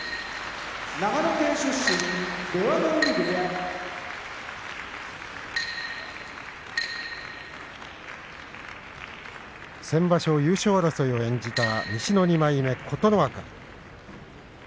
長野県出身出羽海部屋先場所優勝争いを演じた西の２枚目琴ノ若。